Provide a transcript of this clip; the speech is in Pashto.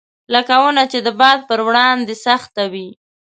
لکه ونه چې د باد پر وړاندې سخت وي.